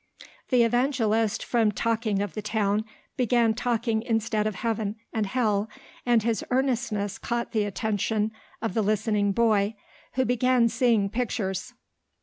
The evangelist from talking of the town began talking instead of heaven and hell and his earnestness caught the attention of the listening boy who began seeing pictures.